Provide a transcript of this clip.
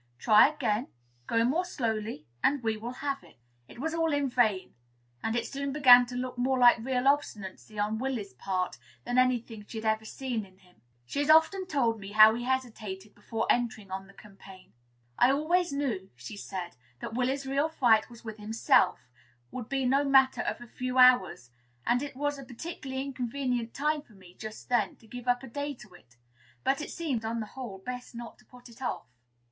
Try again; go more slowly, and we will have it." It was all in vain; and it soon began to look more like real obstinacy on Willy's part than any thing she had ever seen in him. She has often told me how she hesitated before entering on the campaign. "I always knew," she said, "that Willy's first real fight with himself would be no matter of a few hours; and it was a particularly inconvenient time for me, just then, to give up a day to it. But it seemed, on the whole, best not to put it off."